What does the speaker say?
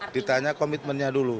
ditanya komitmennya dulu